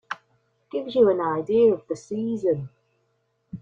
Gives you an idea of the season.